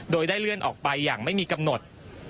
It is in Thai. โดยได้เลื่อนออกไปอย่างไม่มีกำหนด